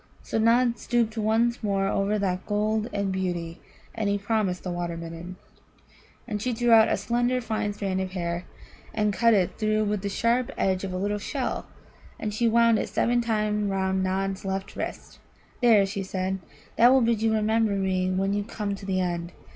So Nod stooped once more over that gold and beauty, and he promised the Water midden. And she drew out a slender, fine strand of her hair, and cut it through with the sharp edge of a little shell, and she wound it seven times round Nod's left wrist. "There," she said; "that will bid you remember me when you come to the end.